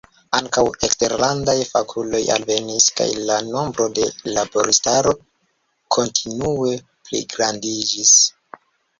Ankaŭ eksterlandaj fakuloj alvenis, kaj la nombro de laboristaro kontinue pligrandiĝis.